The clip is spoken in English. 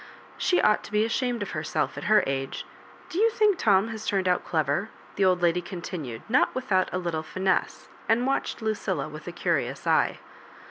She ought to be ashamed of herself, at her age. Bo you think Tom has turned out clever ?" the old lady continued, not without a little fitiewe, and watching Lucilla with a curious eye.